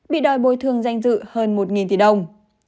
bị đòi bồi thường danh dự hơn một tỷ đồng